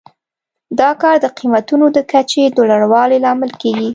دا کار د قیمتونو د کچې د لوړوالي لامل کیږي.